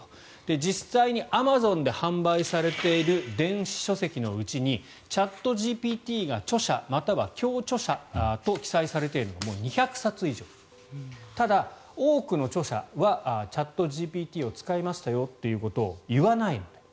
実際にアマゾンで販売されている電子書籍のうちチャットＧＰＴが著者または共著者と記載されているものがもう２００冊以上ただ、多くの著者はチャットＧＰＴを使いましたよということを言わないんだと。